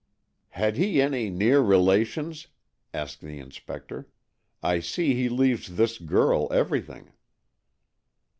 " Had he any near relations ?" asked the inspector. " I see he leaves this girl every thing."